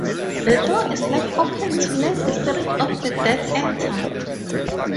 The door is left open to let the spirits of the dead enter.